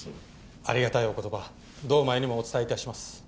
ありがたいお言葉堂前にもお伝えいたします